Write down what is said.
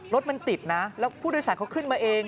รถมันติดนะแล้วผู้โดยสารเขาขึ้นมาเอง